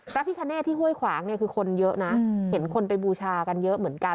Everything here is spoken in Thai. พระพิคเนตที่ห้วยขวางเนี่ยคือคนเยอะนะเห็นคนไปบูชากันเยอะเหมือนกัน